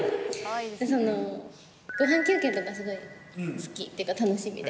その、ごはん休憩とかすごい好きっていうか楽しみで。